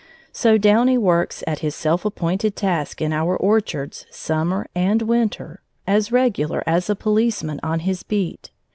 So Downy works at his self appointed task in our orchards summer and winter, as regular as a policeman on his beat.